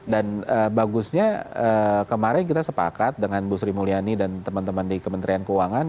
dan bagusnya kemarin kita sepakat dengan bu sri mulyani dan teman teman di kementerian keuangan